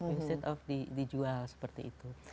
instead of dijual seperti itu